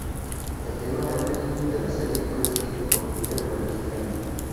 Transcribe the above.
El tema del opening de la serie fue escrito por Peter Bernstein.